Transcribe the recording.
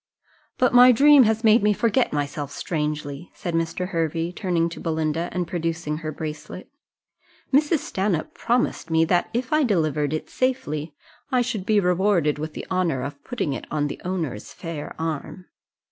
"But my dream has made me forget myself strangely," said Mr. Hervey, turning to Belinda, and producing her bracelet: "Mrs. Stanhope promised me that if I delivered it safely, I should be rewarded with the honour of putting it on the owner's fair arm."